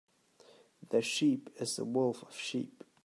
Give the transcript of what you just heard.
The sheep is the wolf of sheep.